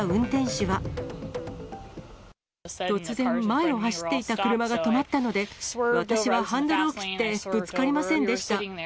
突然、前を走っていた車が止まったので、私はハンドルを切ってぶつかりませんでした。